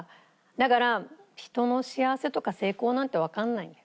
だから人の幸せとか成功なんてわかんないんだよ。